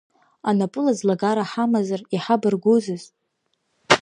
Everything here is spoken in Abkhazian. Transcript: Анапылаӡлагара ҳамазар иҳабаргәызыз…